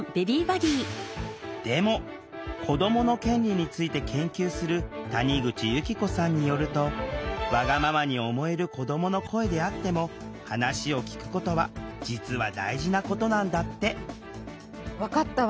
でも子どもの権利について研究する谷口由希子さんによるとわがままに思える子どもの声であっても話を聴くことは実は大事なことなんだって。